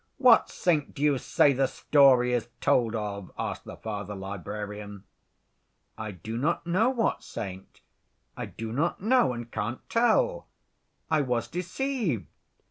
What saint do you say the story is told of?" asked the Father Librarian. "I do not know what saint. I do not know, and can't tell. I was deceived.